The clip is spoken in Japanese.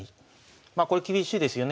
まあこれ厳しいですよね